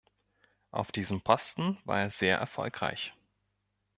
Auf diesem Posten war er sehr erfolgreich.